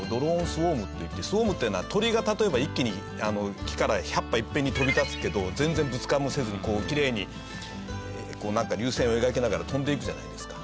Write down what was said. スウォームっていうのは鳥が例えば一気に木から１００羽いっぺんに飛び立つけど全然ぶつかりもせずきれいになんか流線を描きながら飛んでいくじゃないですか。